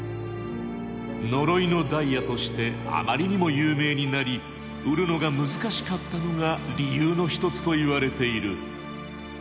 「呪いのダイヤ」としてあまりにも有名になり売るのが難しかったのが理由の一つといわれている。